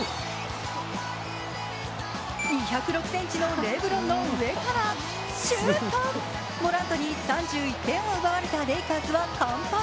２０６ｃｍのレブロンの上からシュートモラントに３１点を奪われたレイカーズは完敗。